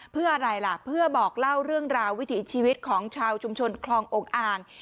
เพื่ออะไรล่ะเพื่อบอกเล่าเรื่องราววิถีชีวิตของชาวชุมชนคลององค์อ่าง